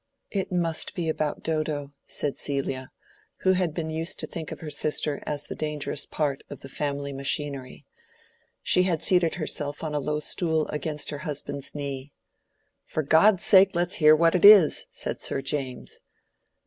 "It must be about Dodo," said Celia, who had been used to think of her sister as the dangerous part of the family machinery. She had seated herself on a low stool against her husband's knee. "For God's sake let us hear what it is!" said Sir James.